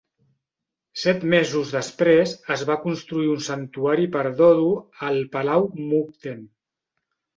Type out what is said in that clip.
Set mesos després, es va construir un santuari per Dodo al Palau Mukden.